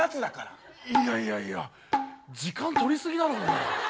いやいやいや時間とりすぎだろ。